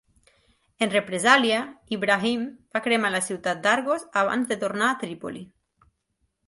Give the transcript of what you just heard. En represàlia, Ibrahim va cremar la ciutat d'Argos abans de tornar a Trípoli.